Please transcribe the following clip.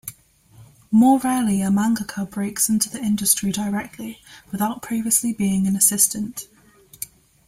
More rarely a mangaka breaks into the industry directly, without previously being an assistant.